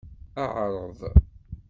Ɛreḍ!